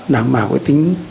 đảm bảo cái tính